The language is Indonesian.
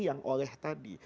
yang oleh tadi